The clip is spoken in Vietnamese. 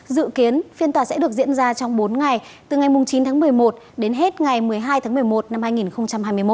dự kiến phiên tòa sẽ được diễn ra trong bốn ngày từ ngày chín tháng một mươi một đến hết ngày một mươi hai tháng một mươi một năm hai nghìn hai mươi một